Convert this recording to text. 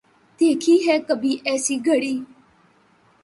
دیکھی ہے کبھی ایسی گھڑی